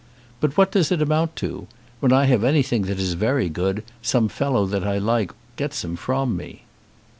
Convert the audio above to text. But what does it amount to? When I have anything that is very good, some fellow that I like gets him from me."